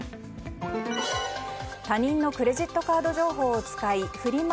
他人のクレジットカード情報を使いフリマ